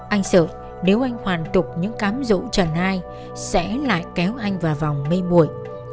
anh sợ nếu anh hoàn tục những cám dũ trần hai sẽ lại kéo anh vào vòng mây muội